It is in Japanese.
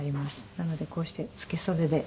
なのでこうしてつけ袖で。